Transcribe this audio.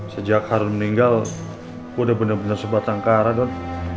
sejak harun meninggal ku udah bener bener sebatang kara don